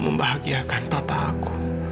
membahagiakan papa aku